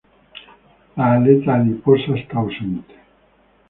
La aleta adiposa está ausente.